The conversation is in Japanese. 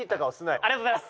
ありがとうございます。